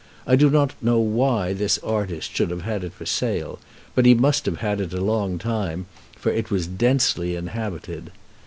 I do not know why this artist should have had it for sale, but he must have had it a long time, for it was densely inhabited.